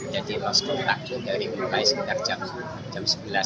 jadi los kotak dari pimpinan sekitar jam sebelas an